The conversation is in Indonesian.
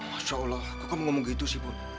masya allah kok kamu ngomong gitu sih pun